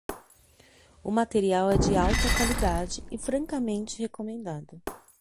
O material é de alta qualidade e francamente recomendado.